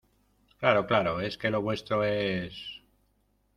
claro, claro. es que lo vuestro es